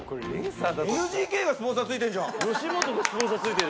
ＮＧＫがスポンサーついてんじゃん。